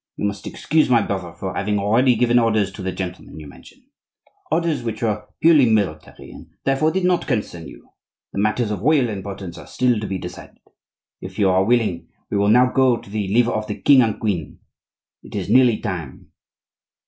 You must excuse my brother for having already given orders to the gentlemen you mention,—orders which were purely military, and therefore did not concern you; the matters of real importance are still to be decided. If you are willing, we will now go the lever of the king and queen; it is nearly time."